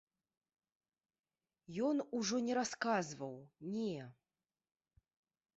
Ён ужо не расказваў, не.